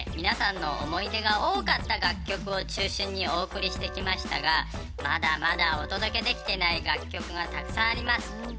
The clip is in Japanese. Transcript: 皆さんの思い出が多かった楽曲を中心にお送りしてきましたがまだまだお届けできてない楽曲がたくさんあります。